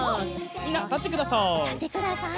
みんなたってください。